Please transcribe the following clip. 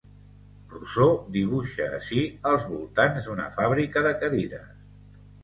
Rousseau dibuixa ací els voltants d'una fàbrica de cadires.